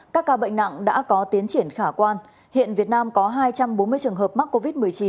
các ca bệnh nặng đã có tiến triển khả quan hiện việt nam có hai trăm bốn mươi trường hợp mắc covid một mươi chín